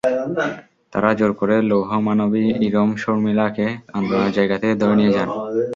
তাঁরা জোর করে লৌহমানবী ইরোম শর্মিলাকে আন্দোলনের জায়গা থেকে ধরে নিয়ে যান।